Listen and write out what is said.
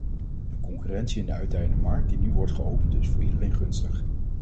De concurrentie en de uitdijende markt die nu wordt geopend, is voor iedereen gunstig.